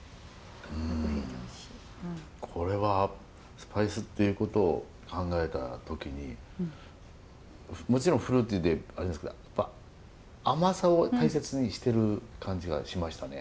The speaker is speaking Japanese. これはスパイスっていうことを考えた時にもちろんフルーティーで甘さを大切にしてる感じがしましたね。